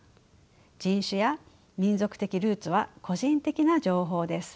人種や民族的ルーツは個人的な情報です。